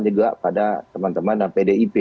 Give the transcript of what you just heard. juga pada teman teman dan pdip